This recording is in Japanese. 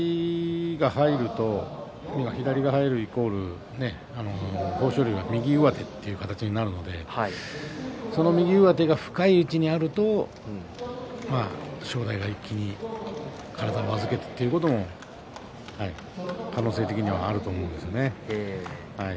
左が入ると豊昇龍が右上手という形になるのでその右上手が深い位置にあると正代が一気に体を預けてということも可能性的にはあると思います。